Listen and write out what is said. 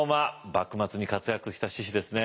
幕末に活躍した志士ですね。